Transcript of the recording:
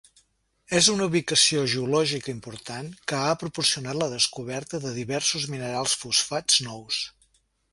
És una ubicació geològica important que ha proporcionat la descoberta de diversos minerals fosfats nous.